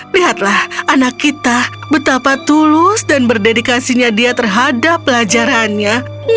lihatlah anak kita betapa tulus dan berdedikasinya dia terhadap pelajarannya